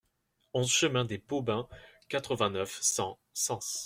onze chemin des Peaux Daims, quatre-vingt-neuf, cent, Sens